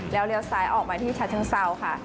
แล้วเลี้ยวซ้ายออกมาที่ฉะเชิงเซาค่ะ